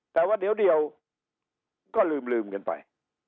แต่ว่าเดี๋ยวก็ลืมกันไป